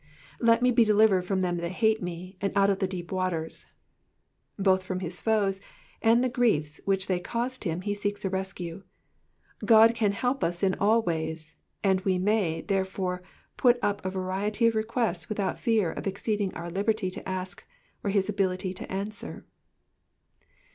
^^Let mele delivered frma them that hate me, and out of the deep waters.'*'' Both from his foes, and the griefs which thtey caused him, he seeks a rescue. God can help us in all ways, and we may, therefore, put up a variety of requests without fear of exceeding our liberty to usk, or his ability to answer.